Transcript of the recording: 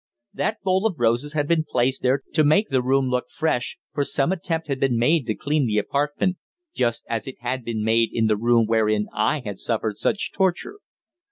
That bowl of roses had been placed there to make the room look fresh, for some attempt had been made to clean the apartment, just as it had been made in the room wherein I had suffered such torture.